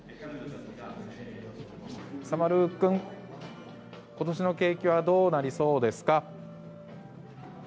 勇丸くん、今年の景気はどうなりそうですか。